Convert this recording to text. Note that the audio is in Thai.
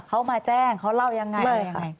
เขามาแจ้งเขาเล่ายังไง